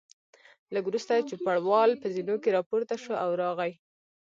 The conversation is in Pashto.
لږ وروسته چوپړوال په زینو کې راپورته شو او راغی.